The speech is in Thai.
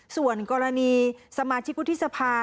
ส่วนกรณีสมาชิกวุฒิสภา